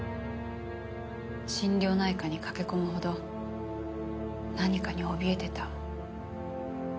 心療内科に駆け込むほど何かにおびえてた。